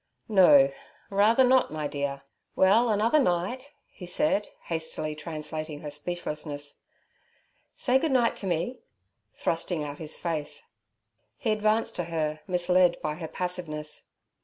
'No—rather not, my dear? Well, another night' he said, hastily translating her speechlessness. 'Say good night to me' thrusting out his face. He advanced to her, misled by her passiveness.